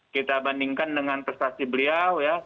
kita bandingkan dengan prestasi beliau